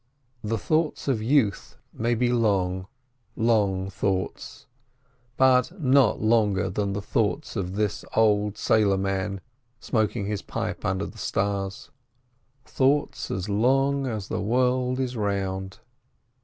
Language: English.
The thoughts of youth may be long, long thoughts, but not longer than the thoughts of this old sailor man smoking his pipe under the stars. Thoughts as long as the world is round.